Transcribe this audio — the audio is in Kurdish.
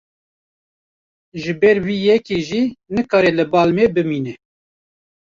Ji ber vê yekê jî nikare li bal me bimîne.